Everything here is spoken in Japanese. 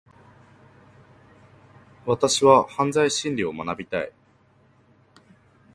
私は犯罪心理学を学びたい。